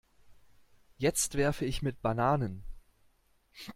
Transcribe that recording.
Jetzt werfe ich mit Bananen.